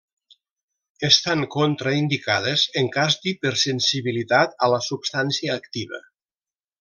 Estan contraindicades en cas d'hipersensibilitat a la substància activa.